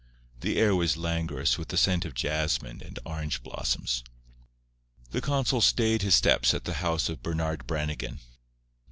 The air was languorous with the scent of jasmin and orange blossoms. The consul stayed his steps at the house of Bernard Brannigan.